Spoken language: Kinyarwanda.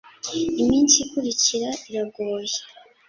Iminsi ikurikira iragoye.